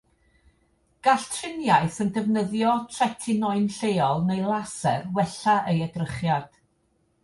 Gall triniaeth yn defnyddio tretinoin lleol neu laser wella ei edrychiad.